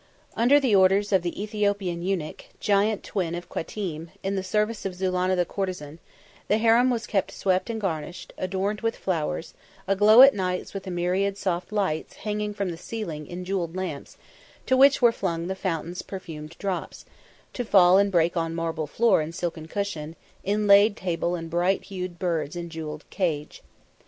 Under the orders of the Ethiopian eunuch, giant twin of Qatim, in the service of Zulannah the courtesan, the harem was kept swept and garnished, adorned with flowers, aglow at nights with a myriad soft lights hanging from the ceiling in jewelled lamps, to which were flung the fountain's perfumed drops, to fall and break on marble floor and silken cushion, inlaid table and bright hued birds in jewelled cage.